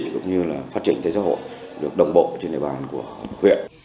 cũng như phát triển thế giới hội được đồng bộ trên đề bàn của huyện